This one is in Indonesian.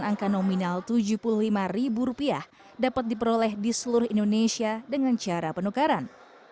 rangka nominal tujuh puluh lima rupiah dapat diperoleh di seluruh indonesia dengan cara penukaran